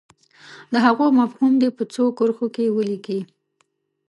د هغو مفهوم دې په څو کرښو کې ولیکي.